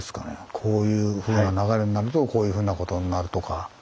こういうふうな流れになるとこういうふうなことになるとか。